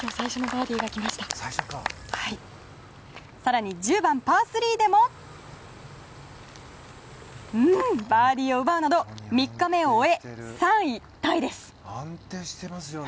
更に１０番、パー３でもバーディーを奪うなど３日目を終え、３位タイです。